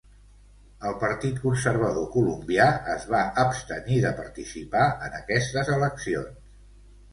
El Partit conservador Colombià es va abstenir de participar en aquestes eleccions.